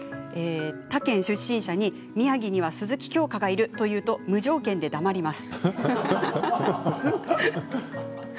他県出身者に宮城には鈴木京香がいると言うと無条件で、だまります。